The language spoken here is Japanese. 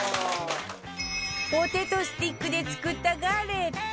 ポテトスティックで作ったガレット